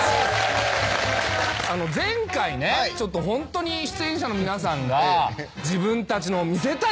前回ねホントに出演者の皆さんが自分たちの見せたいコント。